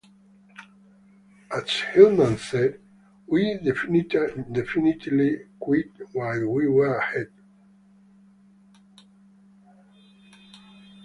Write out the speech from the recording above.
As Hillman said, We definitely quit while we were ahead.